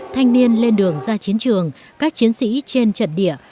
thanh niên lên đường ra chiến trường các chiến sĩ trên trận địa